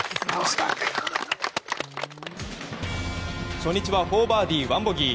初日は４バーディー、１ボギー。